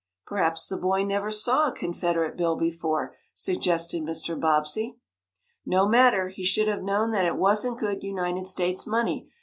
"Perhaps the boy never saw a Confederate bill before," suggested Mr. Bobbsey. "No matter, he should have known that it wasn't good United States' money!"